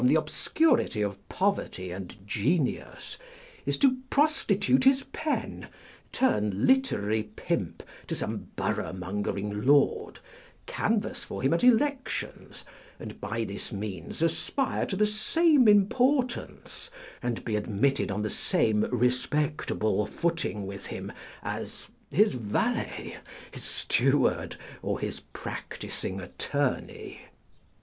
the obscurity of poverty and genius, is to prostitute his pen, turn literary pimp to some borough mongering lord, canvass for him at elections, and by this means aspire to the same importance, and be admitted on the same respectable footing with him as his valet, his steward, or his practising attorney.